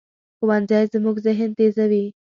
ښوونځی زموږ ذهن تیزوي